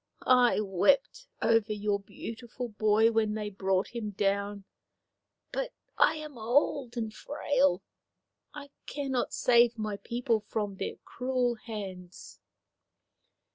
I wept over your beautiful boy when they brought him down. But I am old and frail. I cannot save my people from their cruel hands."